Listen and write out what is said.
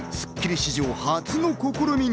史上初の試みに。